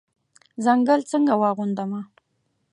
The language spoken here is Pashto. ځنګل څنګه واغوندمه